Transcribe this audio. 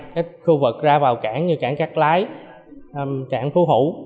các khu vực ra vào cảng như cảng cát lái cảng phú hủ